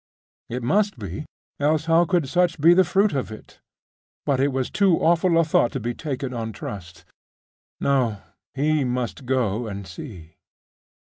It must be, else how could such be the fruit of it? But it was too awful a thought to be taken on trust. No; he must go and see.